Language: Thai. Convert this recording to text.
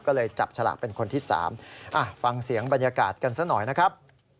ก็เลยจับฉลากเป็นคนที่๓ฟังเสียงบรรยากาศกันซะหน่อยนะครับ